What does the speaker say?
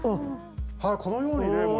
はいこのようにね